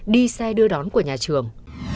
đi xe đưa đón của nhà trường